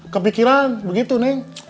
kepikiran begitu neng